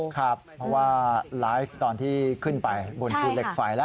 ครับเพราะว่าไลฟ์ตอนที่ขึ้นไปบนภูเหล็กไฟแล้ว